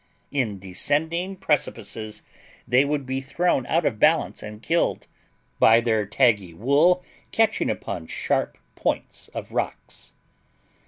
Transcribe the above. In descending precipices they would be thrown out of balance and killed, by their taggy wool catching upon sharp points of rocks.